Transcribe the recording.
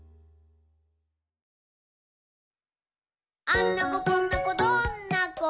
「あんな子こんな子どんな子？